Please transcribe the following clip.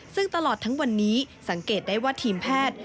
ซึ่งตลอดทั้งวันนี้สังเกตได้ว่าทีมแพทย์